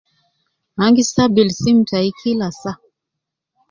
An gi stamil sim tai kila saa